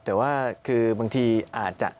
แต่ว่าคือบางทีอาจจะ